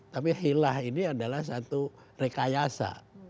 tapi hilah ini adalah satu rekayasa